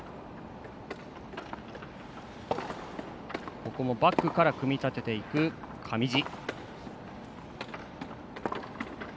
ここもバックから組み立てていく上地。